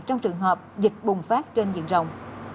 trong trường hợp dịch bùng phát trên diện rộng